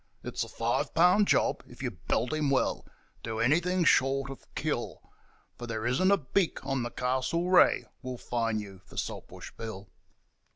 It's a five pound job if you belt him well do anything short of kill, For there isn't a beak on the Castlereagh will fine you for Saltbush Bill.'